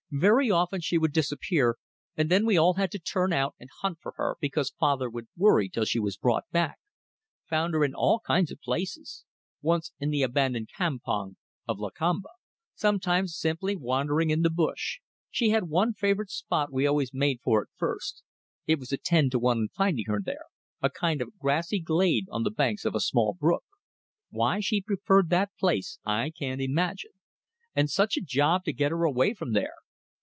Very often she would disappear and then we all had to turn out and hunt for her, because father would worry till she was brought back. Found her in all kinds of places. Once in the abandoned campong of Lakamba. Sometimes simply wandering in the bush. She had one favourite spot we always made for at first. It was ten to one on finding her there a kind of a grassy glade on the banks of a small brook. Why she preferred that place, I can't imagine! And such a job to get her away from there.